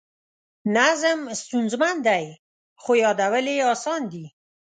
نظم ستونزمن دی خو یادول یې اسان دي.